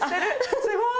すごい！